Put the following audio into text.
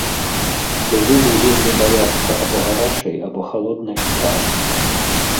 Ды зубы вельмі баяцца або гарачай, або халоднай стравы.